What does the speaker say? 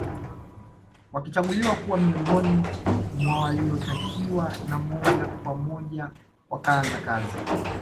Wakachaguliwa kuwa miongoni mwa waliotakiwa na moja kwa moja wakaanza kazi